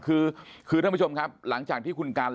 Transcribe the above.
คือคือท่านผู้ชมครับหลังจากที่คุณกัน